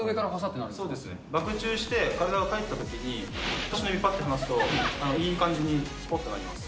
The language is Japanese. バク宙して体が返ったときに、足の指ぱって離すと、いい感じにすぽっとなります。